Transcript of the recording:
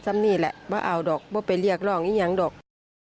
ไม่ไปเรียกเล่าหรอก